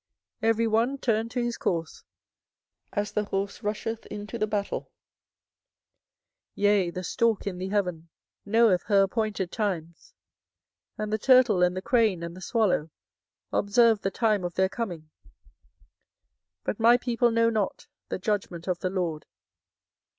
every one turned to his course, as the horse rusheth into the battle. 24:008:007 Yea, the stork in the heaven knoweth her appointed times; and the turtle and the crane and the swallow observe the time of their coming; but my people know not the judgment of the LORD.